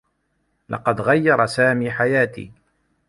لقد غيّر سامي حياتي.